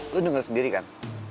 lo denger sendiri kan